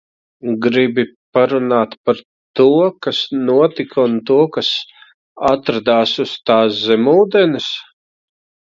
Gribi parunāt par to, kas notika ar to, kas atradās uz tās zemūdenes?